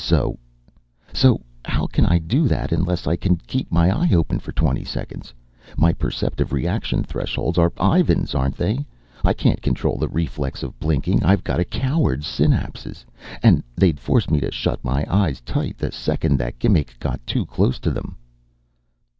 "So " "So how can it do that unless I can keep my eye open for twenty seconds? My perceptive reaction thresholds are Ivan's aren't they? I can't control the reflex of blinking. I've got a coward's synapses. And they'd force me to shut my eyes tight the second that gimmick got too close to them."